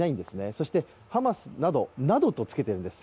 そしてハマスなど、「など」とつけているんです。